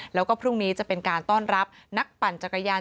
แล้วก็พรุ่งนี้จะเป็นการต้อนรับนักปั่นจักรยาน